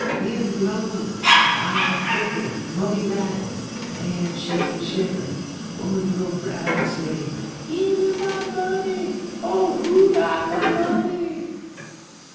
"Win' blow, fier flicker, money rattle, Man shake en shiver, 'Oman grope 'roun' en say, '_Gim me my money! Oh, who got my money?